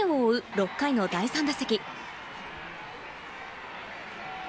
６回の第３打席。